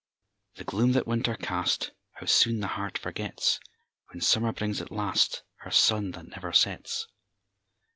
The gloom that winter cast, How soon the heart forgets, When summer brings, at last, Her sun that never sets!